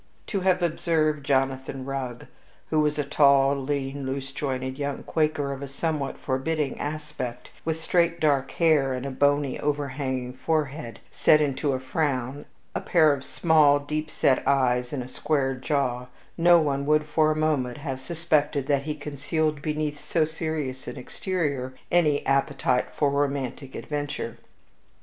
To have observed Jonathan Rugg, who was a tall, lean, loose jointed young Quaker of a somewhat forbidding aspect, with straight, dark hair and a bony, overhanging forehead set into a frown, a pair of small, deep set eyes, and a square jaw, no one would for a moment have suspected that he concealed beneath so serious an exterior any appetite for romantic adventure.